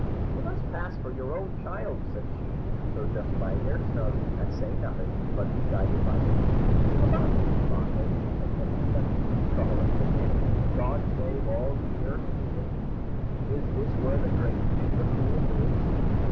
"You must pass for your own child," said she; "so just lie there snug, and say nothing, but be guided by me." About two o'clock, as he had been expected, Cucullin came in. "God save all here!" said he; "is this where the great Fin M'Coul lives?"